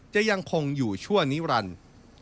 จะยังคงอยู่ชั่วนิรันดิ์